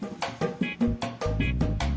setelah setelan demi pada empuk